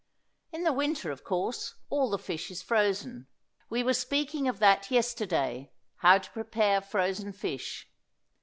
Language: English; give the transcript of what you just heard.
In the winter, of course, all the fish is frozen. We were speaking of that yesterday, how to prepare frozen fish.